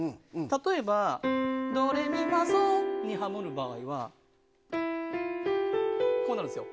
例えばドレミファソにハモる場合はこうなるんですよ。